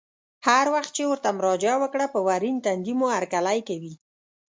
هر وخت چې ورته مراجعه وکړه په ورین تندي مو هرکلی کوي.